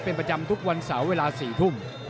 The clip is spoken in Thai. เป็นประจำทุกวันเสาร์เวลา๔ทุ่ม